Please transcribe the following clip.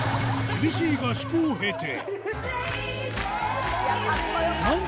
厳しい合宿を経て。